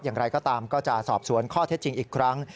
อย่างไรก็ตามก็จะสอบสวนข้อเท็จจริงอีกครั้ง